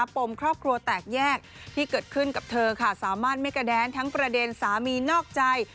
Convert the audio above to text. ปมครอบครัวแตกแยกที่เกิดขึ้นกับเธอค่ะสามารถไม่กระแดนทั้งประเด็นสามีนอกใจ